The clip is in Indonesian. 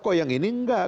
kok yang ini tidak